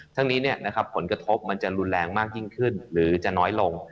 ทั้งนี้ผลกระทบมันจะรุนแรงมากยิ่งขึ้นหรือจะน้อยลง